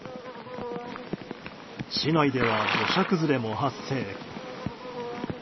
市内では土砂崩れも発生。